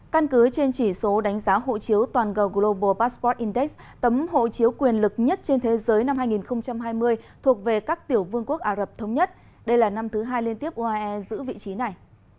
căn cứ trên chỉ số đánh giá hộ chiếu toàn gờ global passport index tấm hộ chiếu quyền lực nhất trên thế giới năm hai nghìn hai mươi thuộc về các tiểu vương quốc ả rập thống nhất đây là năm thứ hai liên tiếp uae giữ vị trí này